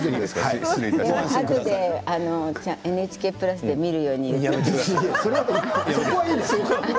あとでＮＨＫプラスで見るように言っておきます。